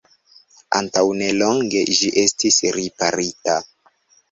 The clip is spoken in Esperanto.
Antaŭnelonge ĝi estis riparita.